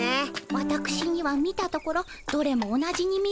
わたくしには見たところどれも同じに見えますが。